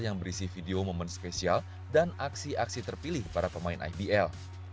yang berisi video momen spesial dan aksi aksi terpilih para pemain ibl